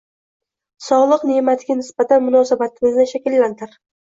Sog‘lik ne’matiga nisbatan munosabatimizni shakllantir